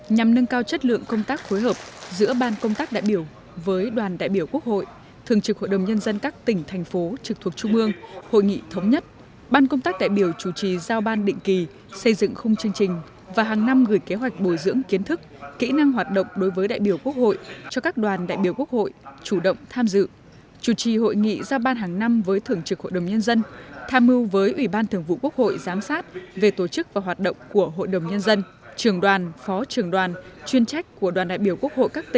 ngày ba tháng một mươi ban công tác đại biểu quốc hội đã tổ chức hội nghị công tác phối hợp giữa ban công tác đại biểu với đoàn đại biểu quốc hội thường trực hội đồng nhân dân cấp tỉnh và một số nội dung về hoạt động của đoàn đại biểu quốc hội